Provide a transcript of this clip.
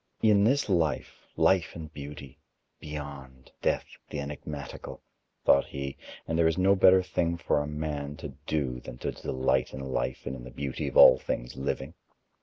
"In this life, life and beauty; beyond, Death, the enigmatical" thought he, and there is no better thing for a man to do than to delight in life and in the beauty of all things living.